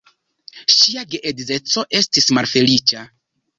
Ŝia geedzeco estis malfeliĉa.